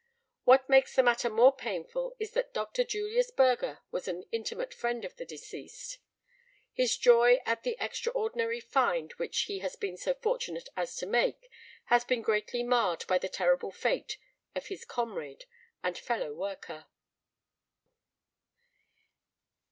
What makes the matter more painful is that Dr. Julius Burger was an intimate friend of the deceased. His joy at the extraordinary find which he has been so fortunate as to make has been greatly marred by the terrible fate of his comrade and fellow worker."